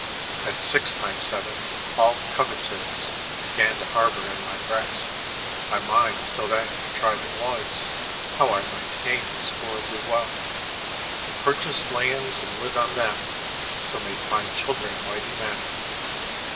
At six times seven all covetise Began to harbour in my breast; My mind still then contriving was How I might gain this worldly wealth; To purchase lands and live on them, So make my children mighty men.